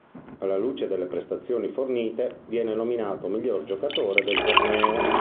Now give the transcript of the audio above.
Alla luce delle prestazioni fornite, viene nominato miglior giocatore del torneo.